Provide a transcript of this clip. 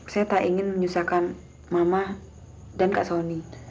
saya tidak ingin menyusahkan mama dan kak sony